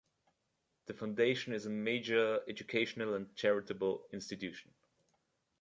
The foundation is a major educational and charitable institution.